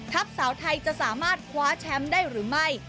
สาวไทยจะสามารถคว้าแชมป์ได้หรือไม่